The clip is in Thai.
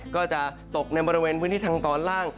ก็จะตกในบริเวณพื้นที่ทางตอนล่าง